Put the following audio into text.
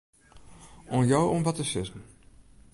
Oan jo om wat te sizzen.